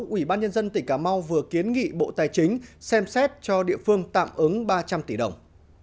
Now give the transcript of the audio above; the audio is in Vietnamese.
ủy ban nhân dân tỉnh cà mau vừa kiến nghị bộ tài chính xem xét cho địa phương tạm ứng ba trăm linh tỷ đồng